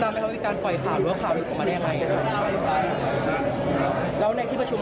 มีกำลังทำเสร็จ